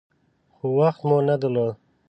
خو وخت مو نه درلود .